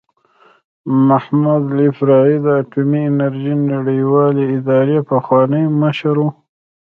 محمد البرادعي د اټومي انرژۍ نړیوالې ادارې پخوانی مشر و.